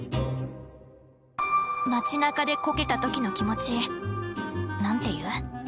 街なかでこけた時の気持ちなんて言う？